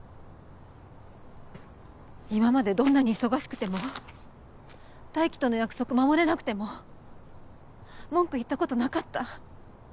今までどんなに忙しくても泰生との約束守れなくても文句言ったことなかった。